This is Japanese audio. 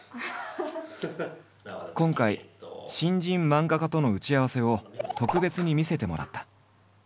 今回新人漫画家との打ち合わせを特別に見せてもらった。